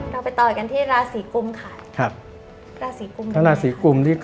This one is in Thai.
เราไปต่อกันที่ราศีกุมค่ะราศีกุมนี่ค่ะ